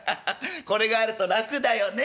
これがあると楽だよね。